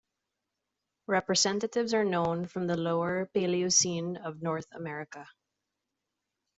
Representatives are known from the Lower Paleocene of North America.